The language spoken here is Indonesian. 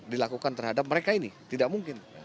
dilakukan terhadap mereka ini tidak mungkin